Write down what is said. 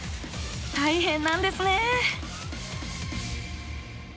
大変なんですねぇ！